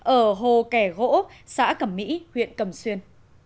ở hồ kẻ gỗ xã cầm mỹ huyện cầm xuyên